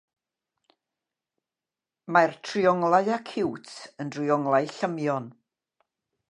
Mae'r trionglau acíwt yn drionglau llymion.